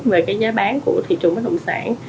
về giá bán của thị trường bất động sản